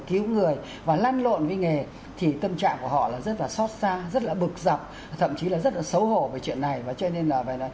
cứu người và lan lộn với nghề thì tâm trạng của họ là rất là xót xa rất là bực dọc thậm chí là rất là xấu hổ về chuyện này